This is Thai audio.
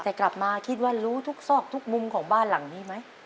แต่กลับมาคิดว่ารู้ทุกซอกทุกมุมของบ้านหลังนี้ไหม